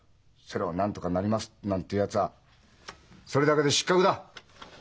それを「なんとかなります」なんて言うやつはそれだけで失格だ！